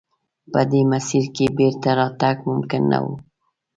په دې مسیر کې بېرته راتګ ممکن نه و.